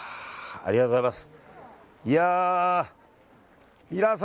ありがとうございます。